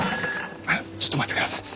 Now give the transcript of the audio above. あのちょっと待ってください。